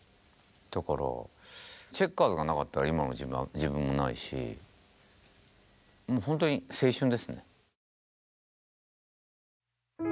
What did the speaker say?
だからチェッカーズがなかったら今の自分もないしほんとに青春ですね。